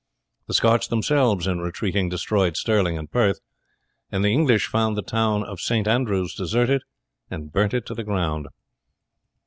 The Scotch themselves in retreating destroyed Stirling and Perth, and the English found the town of St. Andrew's deserted, and burnt it to the ground.